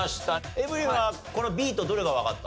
エブリンはこのＢとどれがわかった？